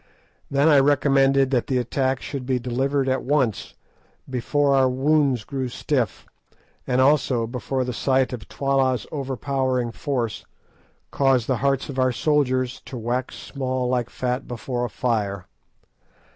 Then I recommended that the attack should be delivered at once, "before our wounds grew stiff," and also before the sight of Twala's overpowering force caused the hearts of our soldiers "to wax small like fat before a fire."